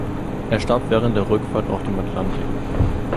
Er starb während der Rückfahrt auf dem Atlantik.